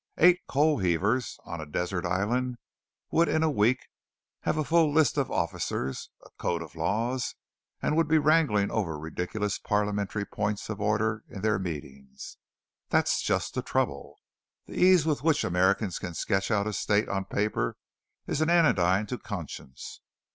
Eight coal heavers on a desert island would in a week have a full list of officers, a code of laws, and would be wrangling over ridiculous parliamentary points of order in their meetings. That's just the trouble. The ease with which Americans can sketch out a state on paper is an anodyne to conscience.